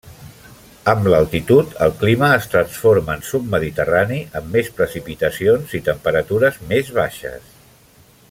Amb l’altitud, el clima es transforma en submediterrani, amb més precipitacions i temperatures més baixes.